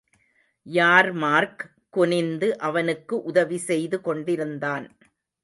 யார்மார்க் குனிந்து அவனுக்கு உதவி செய்து கொண்டிருந்தான்.